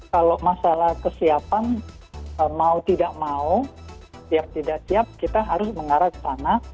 kalau masalah kesiapan mau tidak mau siap tidak siap kita harus mengarah ke sana